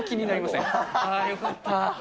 あー、よかった。